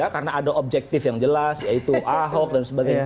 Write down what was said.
karena ada objektif yang jelas yaitu ahok dan sebagainya